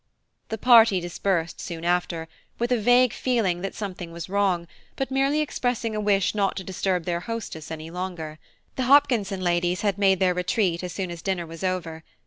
The party dispersed soon after, with a vague feeling that "something was wrong," but merely expressing a wish not to disturb their hostess any longer; the Hopkinson ladies had made their retreat as soon as dinner was over.